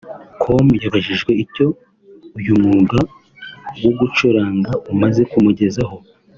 com yabajijwe icyo uyu mwuga wo gucuranga umaze kumugezaho